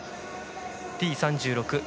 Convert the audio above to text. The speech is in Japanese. Ｔ３６